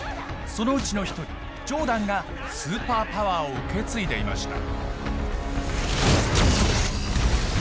そのうちの一人ジョーダンがスーパーパワーを受け継いでいました。